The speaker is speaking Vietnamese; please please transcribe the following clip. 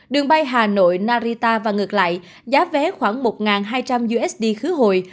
đường bay hà nội narita và ngược lại giá vé khoảng một hai trăm linh usd khứ hồi